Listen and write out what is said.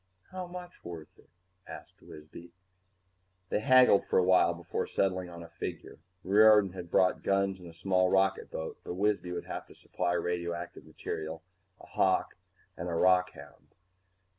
"How much worth it?" asked Wisby. They haggled for a while before settling on a figure. Riordan had brought guns and a small rocketboat, but Wisby would have to supply radioactive material, a "hawk," and a rockhound.